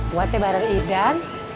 buat barang idan